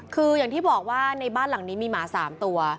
คืออย่างที่บอกว่าในบ้านหลังนี้มีหมา๓ตัว